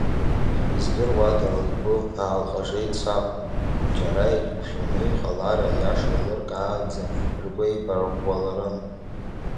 Издыруада, лгәы аалҟажеит Цақәа, џьара еиқәшәаны иҟалар, аиаша еилыркаанӡа ргәы еибарӷәӷәаларын…